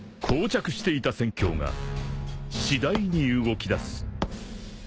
［膠着していた戦況が次第に動きだす］